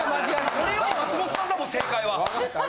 俺より松本さんだもん正解は。